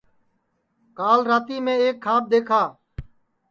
کال راتی میں ایک کھاب دؔیکھا